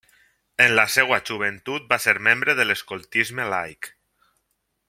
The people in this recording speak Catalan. En la seva joventut va ser membre de l'escoltisme laic.